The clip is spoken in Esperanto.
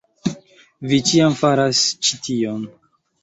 Vi ĉiam faras ĉi tion